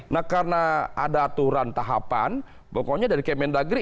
nah karena ada aturan tahapan pokoknya dari kemen dagri